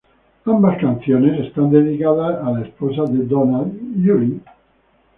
Ambas canciones están dedicadas a la esposa de Donald, Julie.